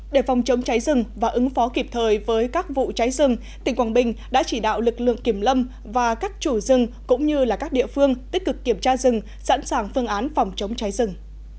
để phòng chống cháy rừng và ứng phó kịp thời với các vụ cháy rừng tỉnh quảng bình đã chỉ đạo lực lượng kiểm lâm và các chủ rừng cũng như các địa phương tích cực kiểm tra rừng sẵn sàng phương án phòng chống cháy rừng